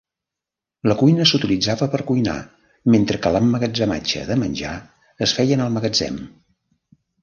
La cuina s'utilitzava per cuinar, mentre que l'emmagatzematge de menjar es feia en el magatzem.